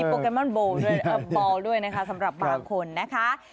มีโปเกมอนบอลด้วยนะคะสำหรับบางคนนะคะ